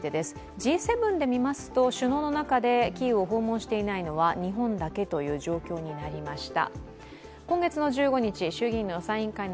Ｇ７で見ますと、首脳の中でキーウを訪問していないのは日本だけという状況になりました。